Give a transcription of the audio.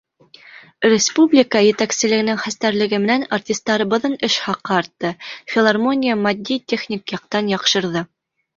Республика етәкселегенең хәстәрлеге менән артистарыбыҙҙың эш хаҡы артты, филармония матди-техник яҡтан яҡшырҙы.